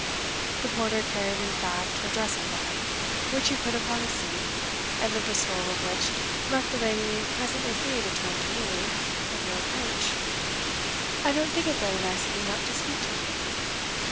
The porter carried in fact her dressing bag, which he put upon a seat and the bestowal of which left the lady presently free to turn to me with a reproach: "I don't think it very nice of you not to speak to me."